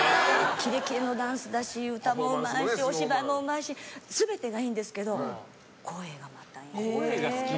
キレキレのダンスだし歌もうまいしお芝居もうまいし全てがいいんですけど声がまたいいんです。